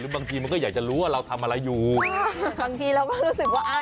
บางทีมันก็อยากจะรู้ว่าเราทำอะไรอยู่บางทีเราก็รู้สึกว่าอ่า